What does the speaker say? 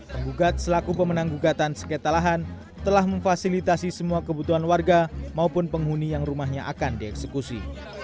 penggugat selaku pemenang gugatan sekitar lahan telah memfasilitasi semua kebutuhan warga maupun penghuni yang rumahnya akan dieksekusi